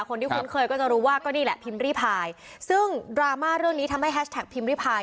คนที่คุ้นเคยก็จะรู้ว่าก็นี่แหละพิมพ์รีพายซึ่งลมาเรื่องนี้ทำให้ปิมพี่พาย